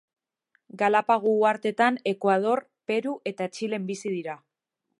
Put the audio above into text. Galapago uhartetan, Ekuador, Peru eta Txilen bizi dira.